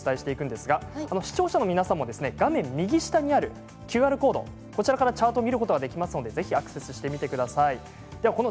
視聴者の皆さんも画面右下にあるＱＲコードからチャート見ることができるのでぜひアクセスしてみてください。